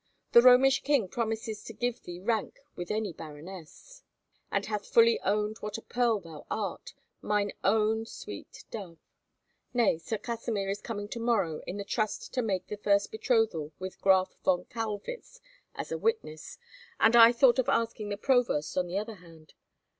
The Romish king promises to give thee rank with any baroness, and hath fully owned what a pearl thou art, mine own sweet dove! Nay, Sir Kasimir is coming to morrow in the trust to make the first betrothal with Graf von Kaulwitz as a witness, and I thought of asking the Provost on the other hand."